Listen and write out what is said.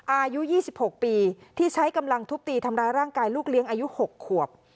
อายุ๒๖ปีที่ใช้กำลังทุบตีทำร้ายร่างกายลูกเลี้ยงอายุ๖ขวบ